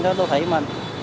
đối với đô thị mình